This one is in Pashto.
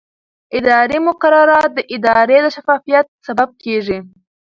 اداري مقررات د ادارې د شفافیت سبب کېږي.